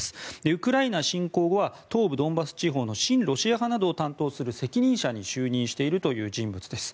ウクライナ侵攻後は東部ドンバス地方の親ロシア派などを担当する責任者に就任しているという人物です。